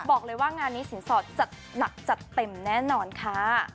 บอกเลยว่างานนี้สินสอดจัดหนักจัดเต็มแน่นอนค่ะ